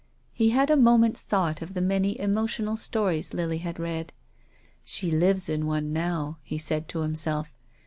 He had a moment's thought of the many emotional stories Lily had read. "She lives in one now," he said to himself.